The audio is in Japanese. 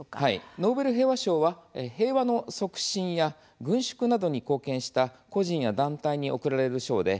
ノーベル平和賞は平和の促進や軍縮などに貢献した個人や団体に贈られる賞です。